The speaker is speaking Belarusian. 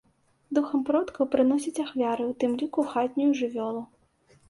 Духам продкаў прыносяць ахвяры, у тым ліку хатнюю жывёлу.